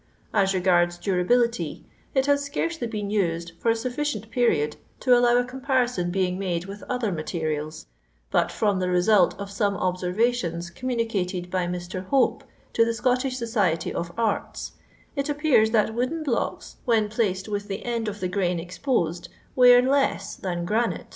As regards durability, it has scarcely been used fat a sufficient period to allow a comparison being made with other materials, but from the result of some obeenrations com municated by Mr. Hope to the Scottish Society of Arts, it appears that wooden blocks when placed with the end of the grain exposed, wear Imt ika% graniu.